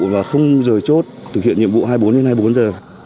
và không rời chốt thực hiện nhiệm vụ hai mươi bốn đến hai mươi bốn giờ